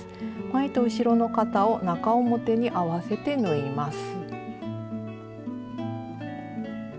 前と後ろの肩を中表に合わせて縫います。